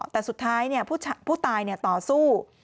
แต่สุดท้ายผู้ตายต่อสู้